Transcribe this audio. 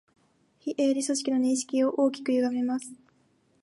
非営利組織の認識を大きくゆがめます